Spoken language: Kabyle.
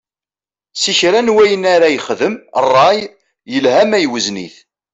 Si kra n wayen ara yexdem, ṛṛay, yelha ma iwzen-it.